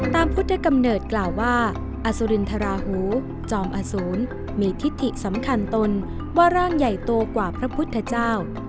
พุทธกำเนิดกล่าวว่าอสุรินทราหูจอมอสูรมีทิศถิสำคัญตนว่าร่างใหญ่โตกว่าพระพุทธเจ้า